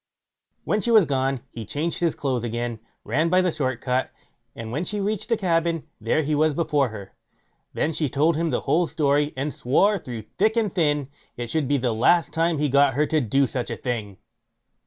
When she was gone, he changed his clothes again, ran by the short cut, and when she reached the cabin, there he was before her. Then she told him the whole story, and swore, through thick and thin, it should be the last time he got her to do such a thing.